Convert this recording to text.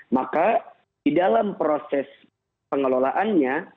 maka di dalam proses pengelolaannya